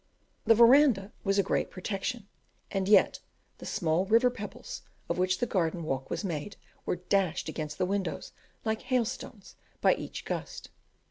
The verandah was a great protection; and yet the small river pebbles, of which the garden walk was made, were dashed against the windows like hailstones by each gust.